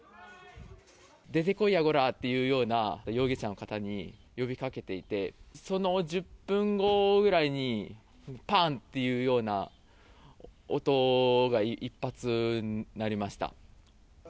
出てこいや、こら！って言うような容疑者の方に呼びかけていて、その１０分後ぐらいに、ぱーんっていうような音が一発鳴りました。